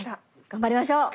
頑張りましょう！